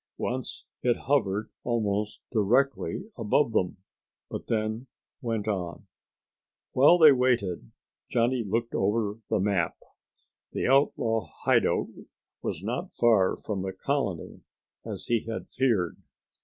Once it hovered almost directly above them, but then went on. While they waited Johnny looked over the map. The outlaw hideout was not as far from the colony as he had feared.